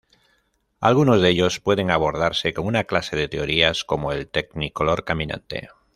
Algunos de ellos pueden abordarse con una clase de teorías como el technicolor "caminante".